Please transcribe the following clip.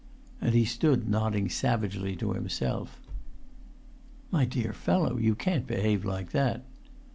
And he stood nodding savagely to himself. "My dear fellow, you can't behave like that."